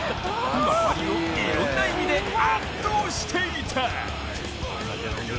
周りをいろんな意味で圧倒していた。